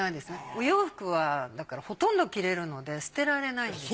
お洋服はだからほとんど着られるので捨てられないです。